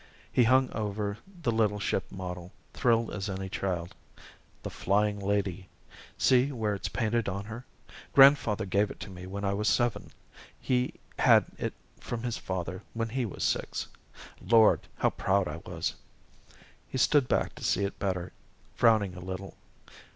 He hung over the little ship model, thrilled as any child. "The Flying Lady see where it's painted on her? Grandfather gave it to me when I was seven he had it from his father when he was six. Lord, how proud I was!" He stood back to see it better, frowning a little.